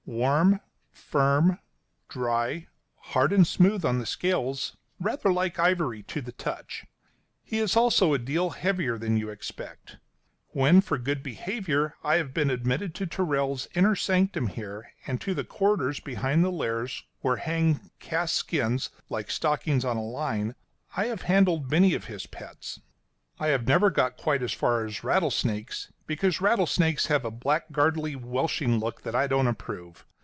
Warm, firm, dry, hard and smooth on the scales, rather like ivory to the touch. He is also a deal heavier than you expect. When for good behaviour I have been admitted to Tyrrell's inner sanctum here, and to the corridors behind the lairs, where hang cast skins like stockings on a line, I have handled many of his pets. I have never got quite as far as rattlesnakes, because rattlesnakes have a blackguardly, welshing look that I don't approve.